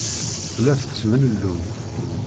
Tella tettemlelluy.